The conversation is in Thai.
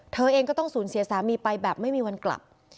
เธอเองก็ต้องสูญเสียสามีไปแบบไม่มีวันกลับ